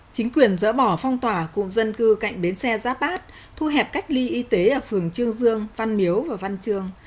chính quyền dỡ bỏ phong tỏa cụm dân cư cạnh bến xe giáp bát thu hẹp cách ly y tế ở phường trương dương văn miếu và văn chương